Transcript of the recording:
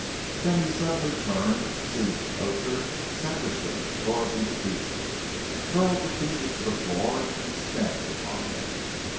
Then he suddenly turned, seized the poster, savagely tore it into pieces, hurled the pieces to the floor, and stamped upon them.